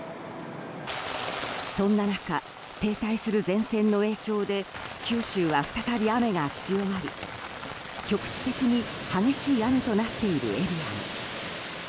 そんな中、停滞する前線の影響で九州は再び雨が強まり局地的に激しい雨となっているエリアも。